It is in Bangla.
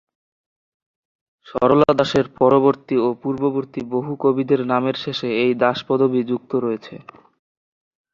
সরলা দাসের পরবর্তী ও পূর্ববর্তী বহু কবিদের নামের শেষে এই দাস পদবী যুক্ত রয়েছে।